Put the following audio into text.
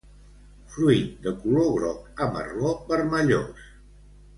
Fruit de color groc a marró vermellós.